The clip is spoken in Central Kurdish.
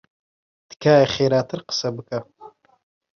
تکایە خێراتر قسە بکە.